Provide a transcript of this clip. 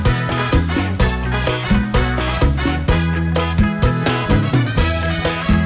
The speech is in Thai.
ไทยแลนด์ไทยแลนด์ไทยแลนด์สามนาคีสามนาคีประเทศไทย